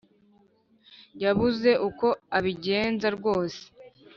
yabuze uko abigenza rwose